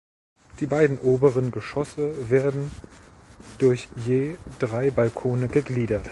Die beiden oberen Geschosse werden durch je drei Balkone gegliedert.